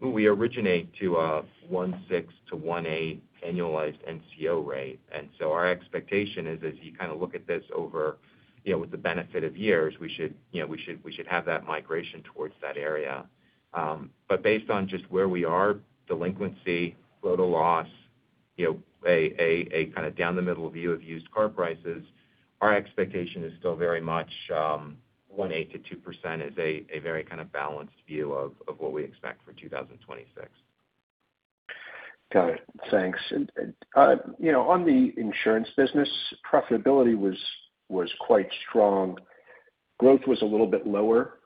we originate to a 1.6%-1.8% annualized NCO rate. Our expectation is as you kind of look at this over with the benefit of years, we should have that migration towards that area. Based on just where we are, delinquency, flow to loss, a kind of down the middle view of used car prices, our expectation is still very much 1.8%-2% is a very kind of balanced view of what we expect for 2026. Got it. Thanks. On the Insurance business, profitability was quite strong. Growth was a little bit lower.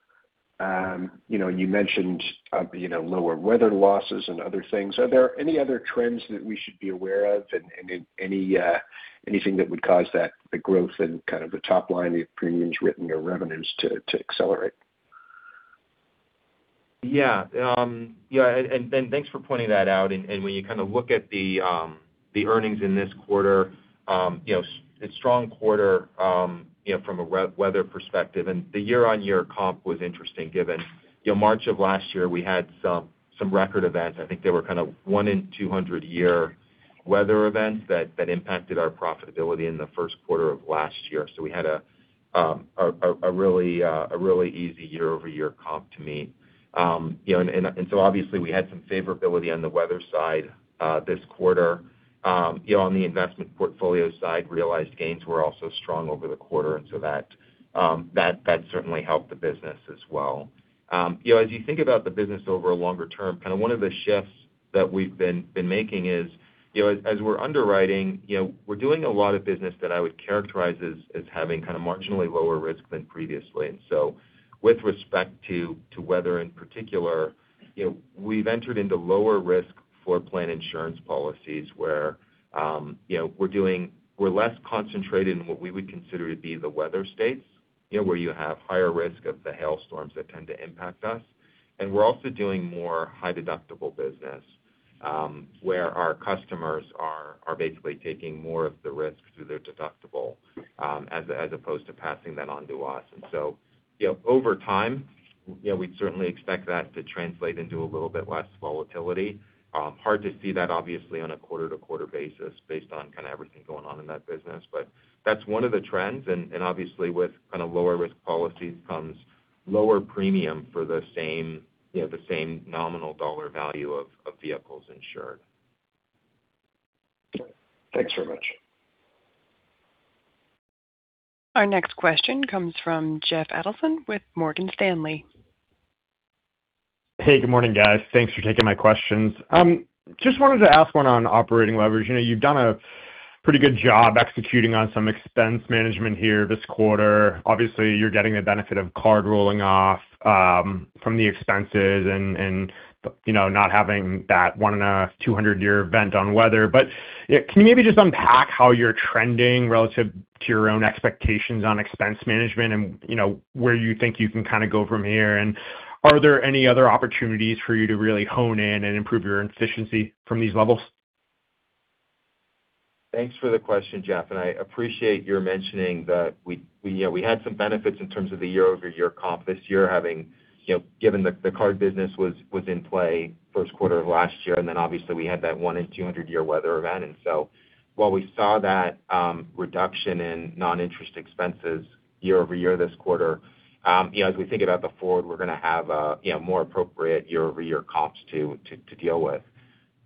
You mentioned lower weather losses and other things. Are there any other trends that we should be aware of, and anything that would cause the growth and kind of the top line of premiums written or revenues to accelerate? Yeah. Thanks for pointing that out. When you kind of look at the earnings in this quarter, it was a strong quarter from a weather perspective. The year-over-year comp was interesting given March of last year, we had some record events. I think they were kind of one in 200-year weather events that impacted our profitability in the first quarter of last year. We had a really easy year-over-year comp to me. Obviously we had some favorability on the weather side this quarter. On the investment portfolio side, realized gains were also strong over the quarter, and that certainly helped the business as well. As you think about the business over a longer term, one of the shifts that we've been making is, as we're underwriting, we're doing a lot of business that I would characterize as having kind of marginally lower risk than previously. With respect to weather in particular, we've entered into lower risk floor plan insurance policies where we're less concentrated in what we would consider to be the weather states, where you have higher risk of the hailstorms that tend to impact us. We're also doing more high-deductible business, where our customers are basically taking more of the risk through their deductible, as opposed to passing that on to us. Over time, we'd certainly expect that to translate into a little bit less volatility. Hard to see that obviously on a quarter-to-quarter basis, based on kind of everything going on in that business. That's one of the trends, and obviously with kind of lower risk policies comes lower premium for the same nominal dollar value of vehicles insured. Thanks very much. Our next question comes from Jeff Adelson with Morgan Stanley. Hey, good morning, guys. Thanks for taking my questions. Just wanted to ask one on operating leverage. You've done a pretty good job executing on some expense management here this quarter. Obviously, you're getting the benefit of card rolling off from the expenses and not having that one-in-a-200-year event on weather. Can you maybe just unpack how you're trending relative to your own expectations on expense management and where you think you can kind of go from here? Are there any other opportunities for you to really hone in and improve your efficiency from these levels? Thanks for the question, Jeff, and I appreciate your mentioning that we had some benefits in terms of the year-over-year comp this year, given the card business was in play first quarter of last year, and then obviously we had that one-in-200-year weather event. While we saw that reduction in non-interest expenses year-over-year this quarter, as we think about the forward, we're going to have a more appropriate year-over-year comps to deal with.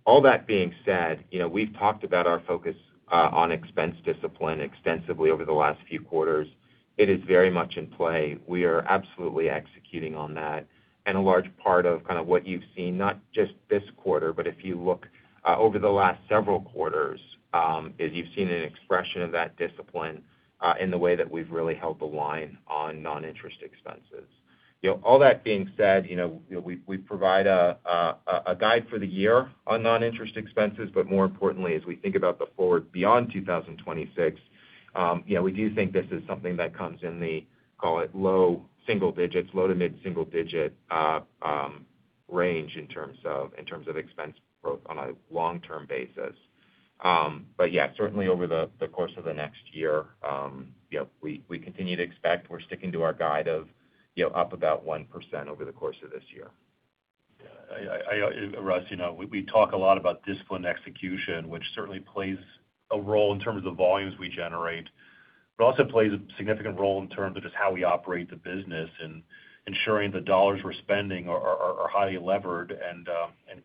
All that being said, we've talked about our focus on expense discipline extensively over the last few quarters. It is very much in play. We are absolutely executing on that. A large part of kind of what you've seen, not just this quarter, but if you look over the last several quarters, is you've seen an expression of that discipline in the way that we've really held the line on non-interest expenses. All that being said, we provide a guide for the year on non-interest expenses, but more importantly, as we think about the forward beyond 2026, we do think this is something that comes in the, call it, low single digits, low- to mid-single-digit range in terms of expense growth on a long-term basis. Yeah, certainly over the course of the next year, we continue to expect, we're sticking to our guide of up about 1% over the course of this year. Yeah. Russ, we talk a lot about disciplined execution, which certainly plays a role in terms of volumes we generate. Also plays a significant role in terms of just how we operate the business and ensuring the dollars we're spending are highly levered and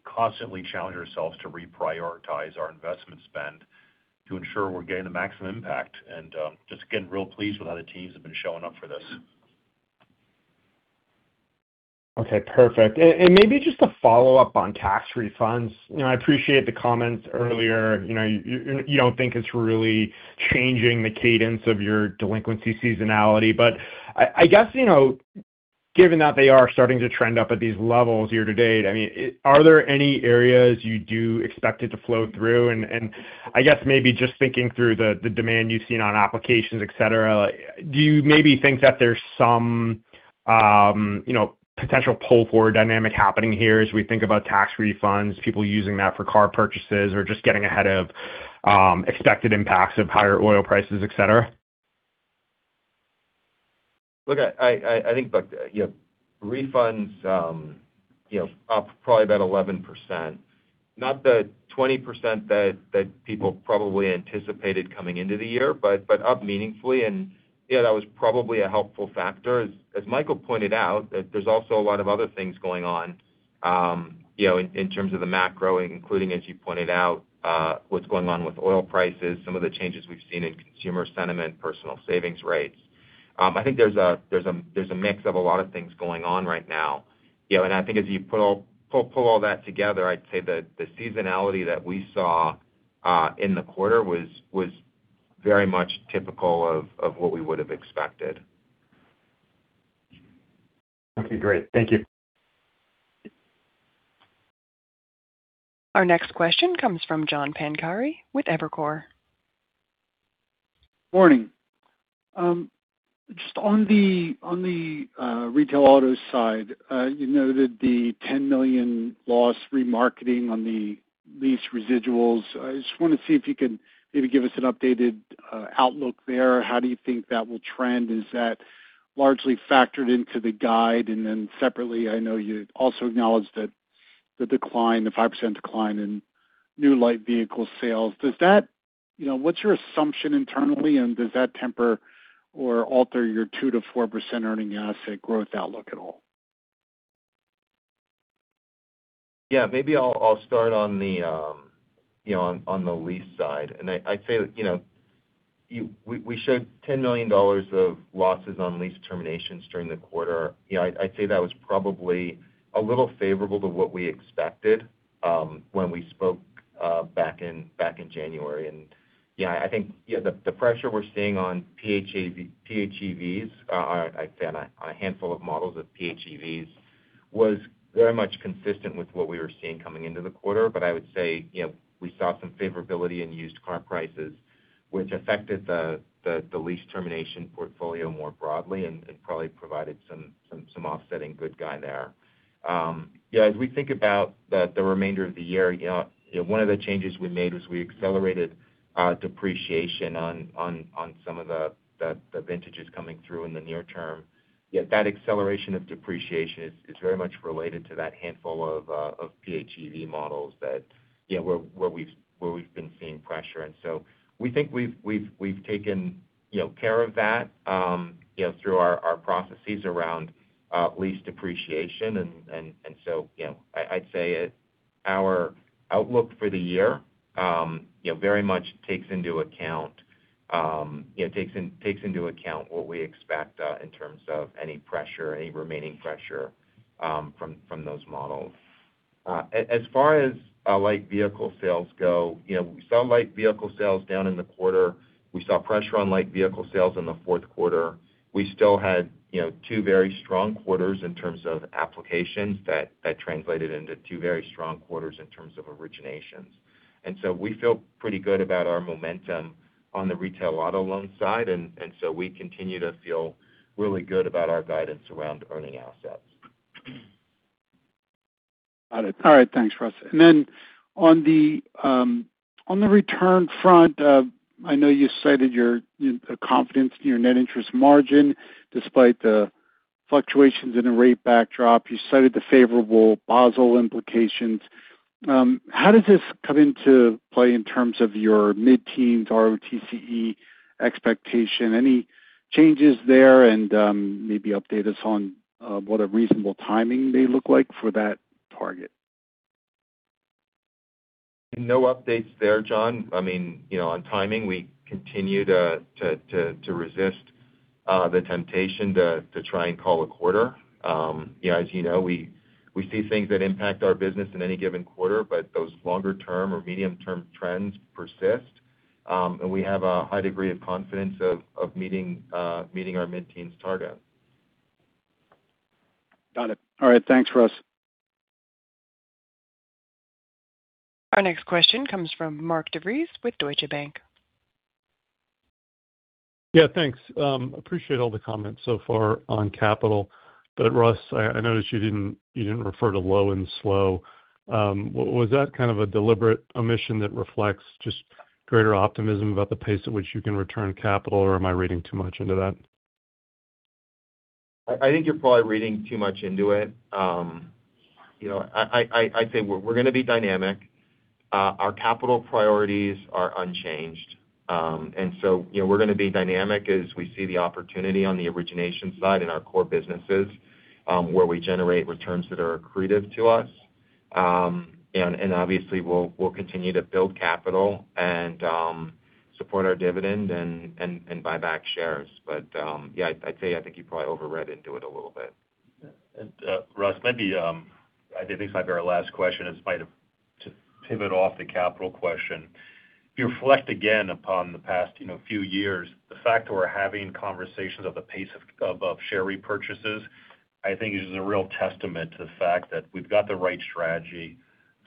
constantly challenge ourselves to reprioritize our investment spend to ensure we're getting the maximum impact. Just, again, real pleased with how the teams have been showing up for this. Okay, perfect. Maybe just a follow-up on tax refunds. I appreciate the comments earlier. You don't think it's really changing the cadence of your delinquency seasonality, but I guess, given that they are starting to trend up at these levels year-to-date, are there any areas you do expect it to flow through? I guess maybe just thinking through the demand you've seen on applications, etc, do you maybe think that there's some potential pull-forward dynamic happening here as we think about tax refunds, people using that for car purchases or just getting ahead of expected impacts of higher oil prices, etc? Look, I think refunds up probably about 11%. Not the 20% that people probably anticipated coming into the year, but up meaningfully, and yeah, that was probably a helpful factor. As Michael pointed out, there's also a lot of other things going on in terms of the macro, including, as you pointed out, what's going on with oil prices, some of the changes we've seen in consumer sentiment, personal savings rates. I think there's a mix of a lot of things going on right now. I think as you pull all that together, I'd say the seasonality that we saw in the quarter was very much typical of what we would have expected. Okay, great. Thank you. Our next question comes from John Pancari with Evercore. Morning. Just on the Retail Auto side, you noted the $10 million loss remarketing on the lease residuals. I just want to see if you can maybe give us an updated outlook there. How do you think that will trend? Is that largely factored into the guide? Then separately, I know you also acknowledged that the decline, the 5% decline in new light vehicle sales. What's your assumption internally, and does that temper or alter your 2%-4% earning asset growth outlook at all? Yeah. Maybe I'll start on the lease side. I'd say that we showed $10 million of losses on lease terminations during the quarter. I'd say that was probably a little favorable to what we expected when we spoke back in January. I think the pressure we're seeing on PHEVs, I'd say on a handful of models of PHEVs, was very much consistent with what we were seeing coming into the quarter. I would say, we saw some favorability in used car prices, which affected the lease termination portfolio more broadly and probably provided some offsetting good guide there. As we think about the remainder of the year, one of the changes we made was we accelerated our depreciation on some of the vintages coming through in the near term. Yet that acceleration of depreciation is very much related to that handful of PHEV models where we've been seeing pressure. We think we've taken care of that through our processes around lease depreciation. I'd say our outlook for the year very much takes into account what we expect in terms of any remaining pressure from those models. As far as our light vehicle sales go, we saw light vehicle sales down in the quarter. We saw pressure on light vehicle sales in the fourth quarter. We still had two very strong quarters in terms of applications that translated into two very strong quarters in terms of originations. We feel pretty good about our momentum on the Retail Auto loan side. We continue to feel really good about our guidance around earning assets. All right. Thanks, Russ. On the return front, I know you cited your confidence in your net interest margin despite the fluctuations in the rate backdrop. You cited the favorable Basel implications. How does this come into play in terms of your mid-teens ROTCE expectation? Any changes there? Maybe update us on what a reasonable timing may look like for that target. No updates there, John. On timing, we continue to resist the temptation to try and call a quarter. As you know, we see things that impact our business in any given quarter, but those longer-term or medium-term trends persist. We have a high degree of confidence of meeting our mid-teens target. Got it. All right. Thanks, Russ. Our next question comes from Mark DeVries with Deutsche Bank. Yeah, thanks. I appreciate all the comments so far on capital. Russ, I noticed you didn't refer to low and slow. Was that kind of a deliberate omission that reflects just greater optimism about the pace at which you can return capital, or am I reading too much into that? I think you're probably reading too much into it. I'd say we're going to be dynamic. Our capital priorities are unchanged. We're going to be dynamic as we see the opportunity on the origination side in our core businesses where we generate returns that are accretive to us. Obviously, we'll continue to build capital and support our dividend and buy back shares. I'd say, I think you probably overread into it a little bit. Russ, maybe I think this might be our last question. Instead, to pivot off the capital question. When you reflect again upon the past few years, the fact that we're having conversations about the pace of share repurchases, I think is a real testament to the fact that we've got the right strategy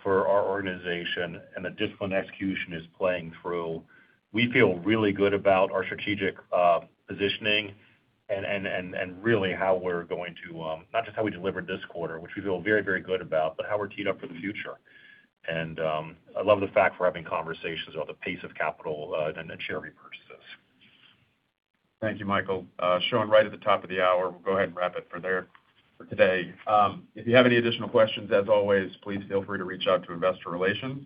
for our organization and the disciplined execution is playing out. We feel really good about our strategic positioning and really how we're going to not just how we delivered this quarter, which we feel very, very good about, but how we're teed up for the future. I love the fact we're having conversations about the pace of capital returns and share repurchases. Thank you, Michael. Starting right at the top of the hour. We'll go ahead and wrap it for today. If you have any additional questions, as always, please feel free to reach out to Investor Relations.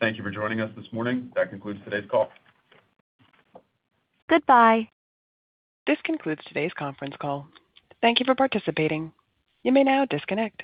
Thank you for joining us this morning. That concludes today's call. Goodbye. This concludes today's conference call. Thank you for participating. You may now disconnect.